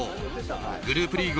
グループリーグ